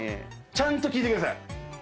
ちゃんと聴いてください。